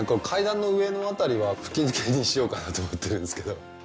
階段の上の辺りは吹き抜けにしようかなと思ってるんですけど。